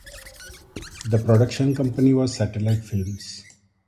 The production company was Satellite Films.